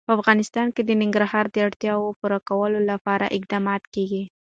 په افغانستان کې د ننګرهار د اړتیاوو پوره کولو لپاره اقدامات کېږي.